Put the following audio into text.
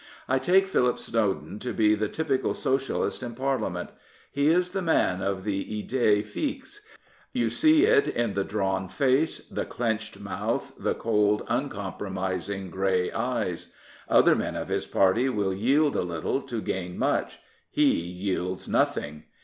I take Philip Snowden to be the typical Socialist in Parliament. He is the man of the id6e fixe. You see it in the drawn face, the clenched mouth, the cold, uncompromising grey eyes. Other men of his party will yield a little to gain much. He yields nothing.